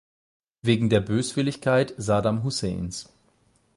Wegen der Böswilligkeit Saddam Husseins.